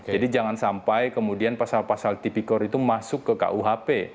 jadi jangan sampai kemudian pasal pasal tipikor itu masuk ke kuhp